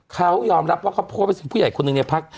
เขายอมรับว่าเขาโพสต์ไปถึงผู้ใหญ่คนหนึ่งในพัก